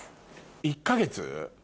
１か月？